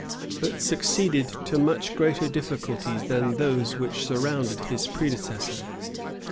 but succeeded to much greater difficulties than those which surrounded his predecessor.